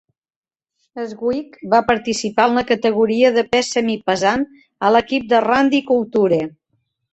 Swick va participar en la categoria de pes semipesant a l'equip de Randy Couture.